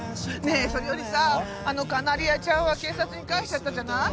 ねえそれよりさあのカナリアちゃんは警察に返しちゃったじゃない？